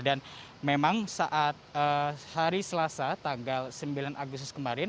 dan memang saat ini dhaniar ini sudah muncul di hadapan publik pertama kali pada minggu tujuh agustus dua ribu dua puluh dua kemarin